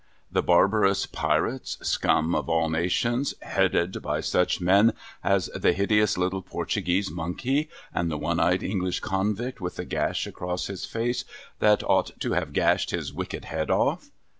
The barbarous Pirates, scum of all nations, headed by such men as the hideous little Portuguese monkey, and the one eyed English convict with the gash across his face, that ought to have gashed his wicked head off?